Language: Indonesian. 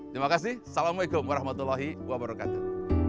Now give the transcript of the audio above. terima kasih assalamualaikum warahmatullahi wabarakatuh